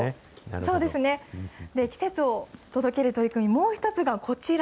そうですね、季節を届ける取り組み、もう一つがこちら。